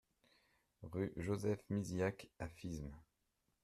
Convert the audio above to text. Rue Joseph Misiack à Fismes